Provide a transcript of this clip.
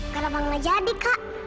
kenapa gak jadi kak